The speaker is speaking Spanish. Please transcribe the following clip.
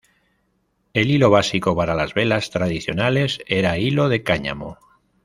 El hilo básico para las velas tradicionales era hilo de cáñamo.